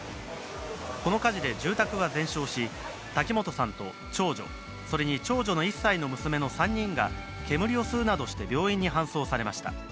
この火事で住宅は全焼し、滝本さんと長女、それに長女の１歳の娘の３人が煙を吸うなどして病院に搬送されました。